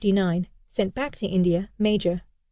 Sent back to India, major.